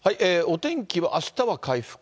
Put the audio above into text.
お天気は、あしたは回復。